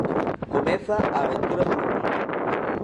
Comeza a aventura do Lugo.